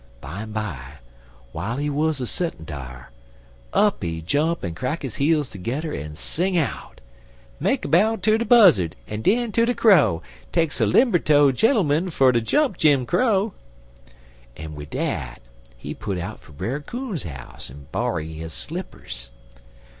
Bimeby, w'ile he wuz a settin' dar, up he jump en crack his heels tergedder en sing out: "'Make a bow ter de Buzzard en den ter de Crow, Takes a limber toe gemmun fer ter jump Jim Crow,' "en wid dat he put out for Brer Coon house en borrer his slippers.